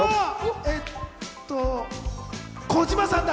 えっと、児嶋さんだ。